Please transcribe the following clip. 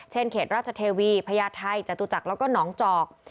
เขตราชเทวีพญาไทยจตุจักรแล้วก็หนองจอก